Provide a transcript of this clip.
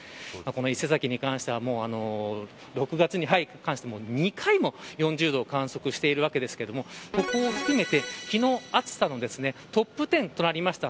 伊勢崎に関しては６月に入って、２回も４０度を観測しているわけですがそこも含めて暑さのトップ１０となりました。